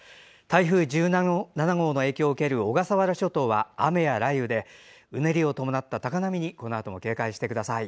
台風１７号の影響を受ける小笠原諸島は雨や雷雨でうねりを伴った高波にこのあとも警戒してください。